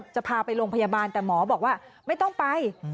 จะพาไปโรงพยาบาลแต่หมอบอกว่าไม่ต้องไป